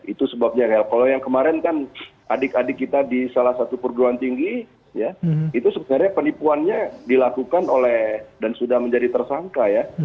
itu sebabnya kalau yang kemarin kan adik adik kita di salah satu perguruan tinggi ya itu sebenarnya penipuannya dilakukan oleh dan sudah menjadi tersangka ya